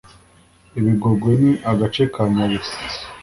Ibigogwe Ni agace ka Nyabihu